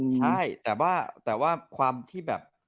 ใช่แต่ว่าความที่แบบ